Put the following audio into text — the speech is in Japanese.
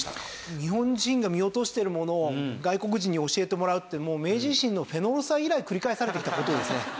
日本人が見落としているものを外国人に教えてもらうってもう明治維新のフェノロサ以来繰り返されてきた事ですね。